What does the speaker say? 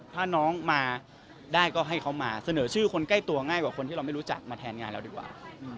ถ้าน้องมาได้ก็ให้เขามาเสนอชื่อคนใกล้ตัวง่ายกว่าคนที่เราไม่รู้จักมาแทนงานเราดีกว่า